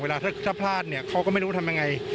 เวลาถ้าพลาดเขาก็ไม่รู้ทำยังไง